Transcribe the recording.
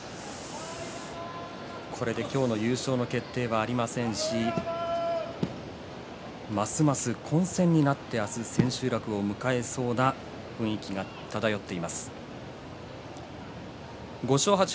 これで今日の優勝決定はありませんしますます混戦になって明日の千秋楽を迎えそうな雰囲気が漂っています。